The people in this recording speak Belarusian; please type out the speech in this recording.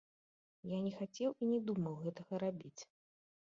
Я не хацеў і не думаў гэтага рабіць.